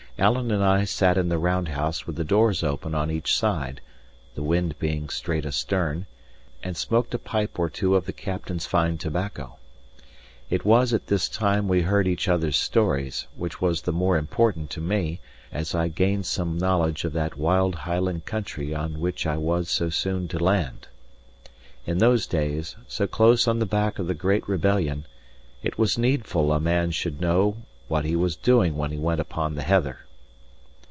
Alan and I sat in the round house with the doors open on each side (the wind being straight astern), and smoked a pipe or two of the captain's fine tobacco. It was at this time we heard each other's stories, which was the more important to me, as I gained some knowledge of that wild Highland country on which I was so soon to land. In those days, so close on the back of the great rebellion, it was needful a man should know what he was doing when he went upon the heather.